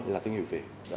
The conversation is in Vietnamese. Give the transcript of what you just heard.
là thương hiệu việt